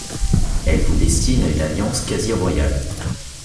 Elle vous destine à une alliance quasi royale.